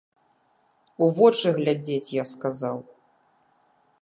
У вочы глядзець, я сказаў.